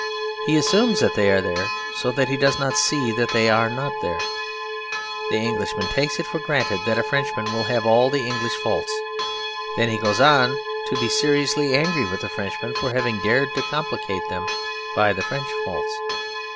He assumes that they are there so that he does not see that they are not there. The Englishman takes it for granted that a Frenchman will have all the English faults. Then he goes on to be seriously angry with the Frenchman for having dared to complicate them by the French faults.